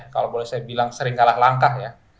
kalau boleh saya bilang sering kalah langkah ya